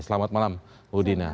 selamat malam udina